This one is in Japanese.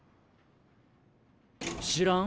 知らん？